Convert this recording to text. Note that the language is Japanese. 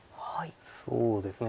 そうですね